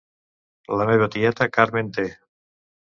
La meva tieta Carmen t